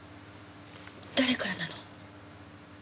誰からなの？